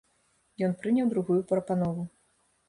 Ён прыняў другую прапанову.